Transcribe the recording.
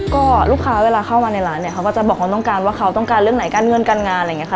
ก็ลูกค้าเวลาเข้ามาในร้านเนี่ยเขาก็จะบอกความต้องการว่าเขาต้องการเรื่องไหนการเงินการงานอะไรอย่างนี้ค่ะ